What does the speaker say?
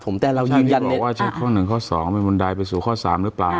ใช่พี่บอกว่าใช้ข้อ๑ข้อ๒เป็นบันไดไปสู่ข้อ๓หรือเปล่า